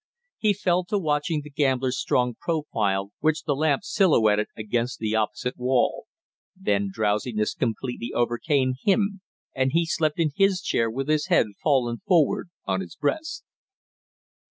He fell to watching the gambler's strong profile which the lamp silhouetted against the opposite wall; then drowsiness completely overcame him and he slept in his chair with his head fallen forward on his breast.